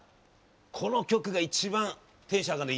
この曲が一番テンション上がるのよ